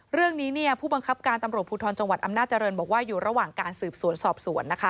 เรื่องนี้ผู้บังคับการตำรวจภูทรจังหวัดอำนาจริงบอกว่าอยู่ระหว่างการสืบสวนสอบสวน